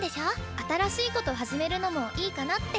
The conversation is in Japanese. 新しいこと始めるのもいいかなって。